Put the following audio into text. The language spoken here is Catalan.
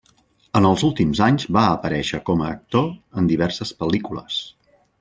En els últims anys va aparèixer com a actor en diverses pel·lícules.